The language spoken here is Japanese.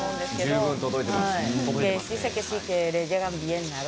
十分、届いています。